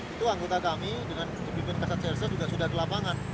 itu anggota kami dengan kepimpin ksat clc juga sudah ke lapangan